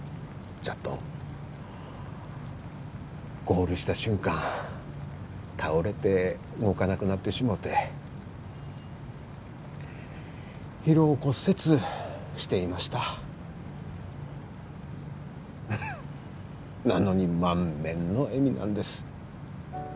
どんゴールした瞬間倒れて動かなくなってしもうて疲労骨折していましたなのに満面の笑みなんです